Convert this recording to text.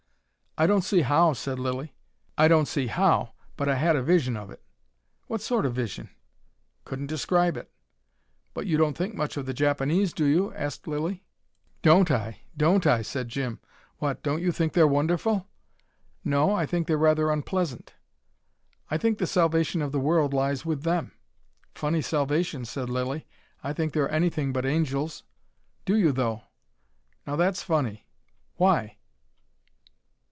"I don't see how," said Lilly. "I don't see HOW But I had a vision of it." "What sort of vision?" "Couldn't describe it." "But you don't think much of the Japanese, do you?" asked Lilly. "Don't I! Don't I!" said Jim. "What, don't you think they're wonderful?" "No. I think they're rather unpleasant." "I think the salvation of the world lies with them." "Funny salvation," said Lilly. "I think they're anything but angels." "Do you though? Now that's funny. Why?"